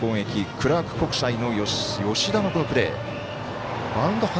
クラーク国際の吉田のこのプレー。